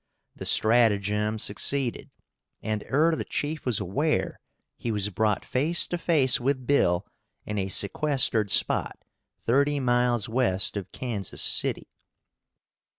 The stratagem succeeded, and, ere the chief was aware, he was brought face to face with Bill in a sequestered spot thirty miles west of Kansas City.